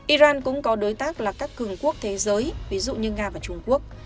iran cũng có đối tác là các cường quốc thế giới ví dụ như nga và trung quốc